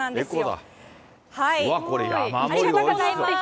うわっ、ありがとうございます。